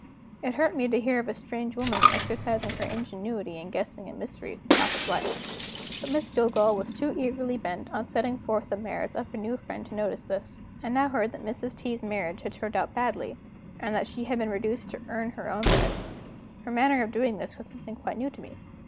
It hurt me to hear of a strange woman exercising her ingenuity in guessing at mysteries in papa's life. But Miss Jillgall was too eagerly bent on setting forth the merits of her friend to notice this. I now heard that Mrs. T.'s marriage had turned out badly, and that she had been reduced to earn her own bread. Her manner of doing this was something quite new to me.